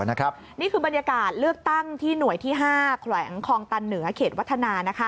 นี่คือบรรยากาศเลือกตั้งที่หน่วยที่๕แขวงคลองตันเหนือเขตวัฒนา